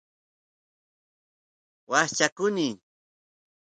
yaarchakuny